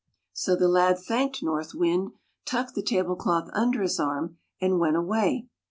So the lad thanked North Wind, tucked the table cloth under his arm, and went away.